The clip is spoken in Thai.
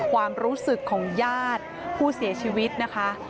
ความรู้สึกของญาติผู้เสียชีวิตนะคะ